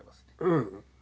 うん。